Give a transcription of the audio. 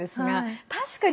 確かに。